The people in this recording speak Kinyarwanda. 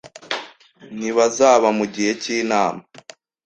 Ntibazaba mugihe cyinama.